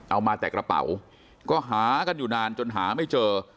มาแต่กระเป๋าก็หากันอยู่นานจนหาไม่เจอ